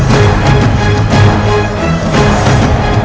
selasi selasi bangun